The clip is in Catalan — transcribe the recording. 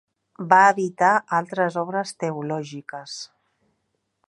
Va editar altres obres teològiques.